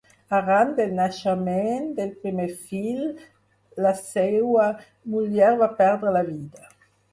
Arran del naixement del primer fill, la seua muller va perdre la vida.